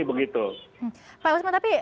begitu pak usman tapi